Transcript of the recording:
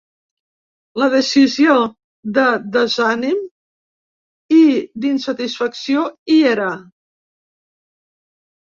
La decisió de desànim i d’insatisfacció hi era.